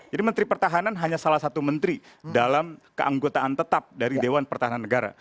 jadi menteri pertahanan hanya salah satu menteri dalam keanggotaan tetap dari dewan pertahanan negara